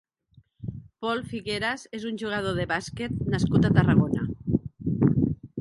Pol Figueras és un jugador de bàsquet nascut a Tarragona.